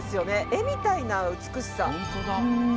絵みたいな美しさ。